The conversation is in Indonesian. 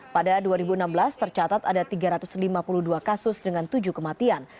pada dua ribu enam belas tercatat ada tiga ratus lima puluh dua kasus dengan tujuh kematian